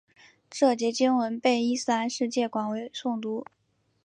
这节经文被伊斯兰世界广为诵读。